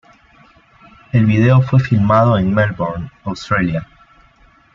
El video fue filmado en Melbourne, Australia.